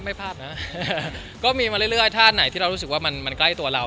ไม่พลาดนะก็มีมาเรื่อยท่าไหนที่เรารู้สึกว่ามันใกล้ตัวเรา